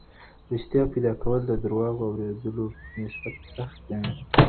ریښتیا پیدا کول د درواغو د اورېدلو په نسبت سخت دي.